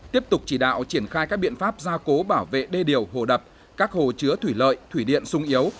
tiếp tục chỉ đạo triển khai các biện pháp gia cố bảo vệ đê điều hồ đập các hồ chứa thủy lợi thủy điện sung yếu